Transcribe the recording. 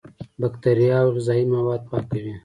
بکتریا او غذایي مواد پاکوي.